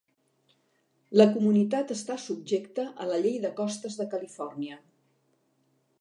La comunitat està subjecta a la llei de costes de Califòrnia.